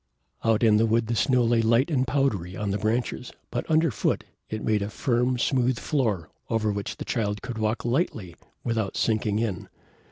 Out in the wood the snow lay light and powdery on the branches, but under foot it made a firm, smooth floor, over which the Child could walk lightly without sinking in.